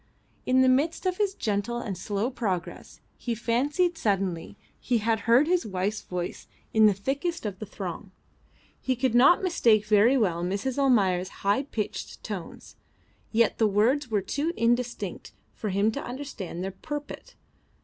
In the midst of his gentle and slow progress he fancied suddenly he had heard his wife's voice in the thickest of the throng. He could not mistake very well Mrs. Almayer's high pitched tones, yet the words were too indistinct for him to understand their purport.